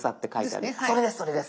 それですそれです！